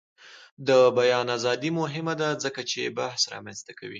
د بیان ازادي مهمه ده ځکه چې بحث رامنځته کوي.